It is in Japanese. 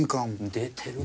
出てるな。